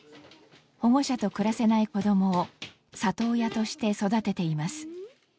保護者と暮らせない子どもを里親として育てています。